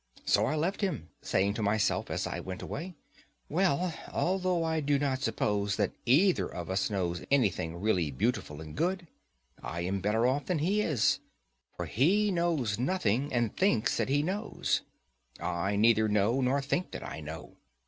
So I left him, saying to myself, as I went away: Well, although I do not suppose that either of us knows anything really beautiful and good, I am better off than he is,—for he knows nothing, and thinks that he knows; I neither know nor think that I know.